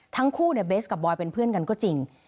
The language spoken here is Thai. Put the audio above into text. ทั้งคู่เนี่ยเบสกับบอยเป็นเพื่อนกันก็จริง